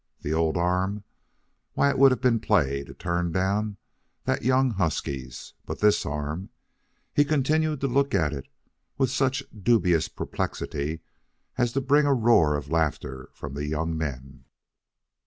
The old arm? Why, it would have been play to turn down that young husky's. But this arm he continued to look at it with such dubious perplexity as to bring a roar of laughter from the young men.